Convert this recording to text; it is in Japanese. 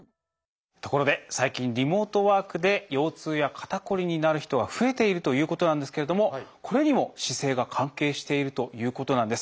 ところで最近リモートワークで腰痛や肩こりになる人が増えているということなんですけれどもこれにも姿勢が関係しているということなんです。